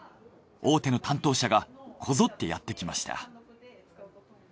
大手の担当者がこぞってやってきました。